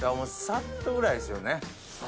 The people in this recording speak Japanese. サッとぐらいっすね。